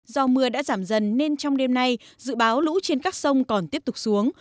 do mưa đã giảm dần nên trong đêm nay dự báo lũ trên các sông còn tiếp tục xuống